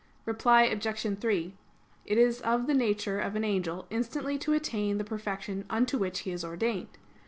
Reply Obj. 3: It is of the nature of an angel instantly to attain the perfection unto which he is ordained.